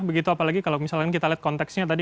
begitu apalagi kalau misalnya kita lihat konteksnya tadi